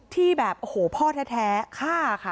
ที่แบบโอ้โหพ่อแท้ฆ่าค่ะ